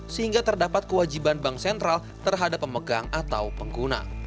sehingga terdapat kewajiban bank sentral terhadap pemegang atau pengguna